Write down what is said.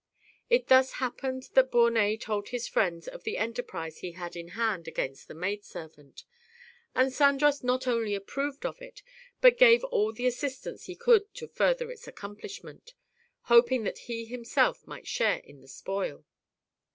It thus happened that Bornet told his friend of the enterprise he had in hand against the maid servant; and Sandras not only approved of it, but gave all the assist ance he could to further its accomplishment, hoping that he himself might share in the spoil.